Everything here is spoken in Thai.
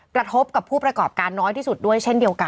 กระทบกับผู้ประกอบการน้อยที่สุดด้วยเช่นเดียวกัน